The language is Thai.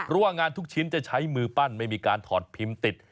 เพราะว่างานทุกชิ้นจะใช้มือปั้นไม่มีการถอดพิมพ์ติด